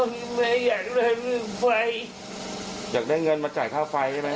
แม่อยากได้ลูกไฟอยากได้เงินมาจ่ายค่าไฟใช่ไหม